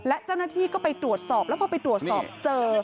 และเจ้าหน้าที่ก็ไปตรวจสอบแล้วพอไปตรวจสอบเจอ